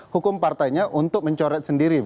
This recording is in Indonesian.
hukum partainya untuk mencoret sendiri